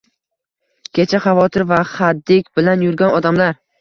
Kecha xavotir va xadik bilan yurgan odamlar